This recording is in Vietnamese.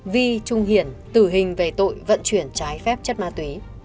vi trung hiển tử hình về tội vận chuyển trái phép chất ma túy